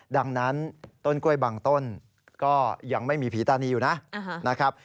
ดังนั้นต้นกล้วยบางต้นก็ยังไม่มีผีตานีอยู่นะครับ